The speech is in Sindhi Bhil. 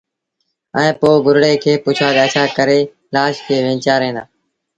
ائيٚݩ پو گُرڙي کآݩ پڇآ ڳآڇآ ڪري لآش کي وينچآرين دآ